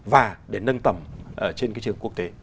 và để nâng tầm trên trường quốc tế